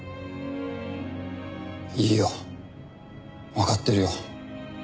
いいよわかってるよ。